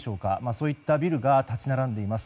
そういったビルが立ち並んでいます。